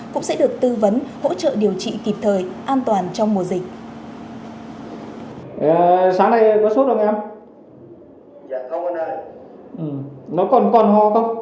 cũng sẽ được tư vấn hỗ trợ điều trị kịp thời an toàn trong mùa dịch